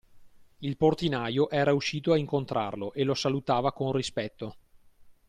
Il portinaio era uscito a incontrarlo e lo salutava con rispetto.